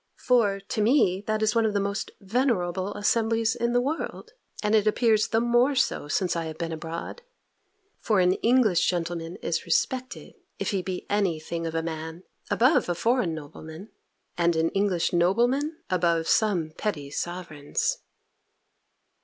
For, to me, that is one of the most venerable assemblies in the world; and it appears the more so, since I have been abroad; for an English gentleman is respected, if he be any thing of a man, above a foreign nobleman; and an English nobleman above some petty sovereigns.